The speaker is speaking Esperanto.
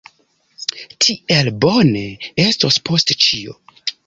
Tiel bone estos post ĉio.